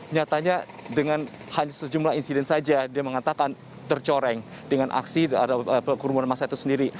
nyatanya dengan hanya sejumlah insiden saja dia mengatakan tercoreng dengan aksi kerumunan masa itu sendiri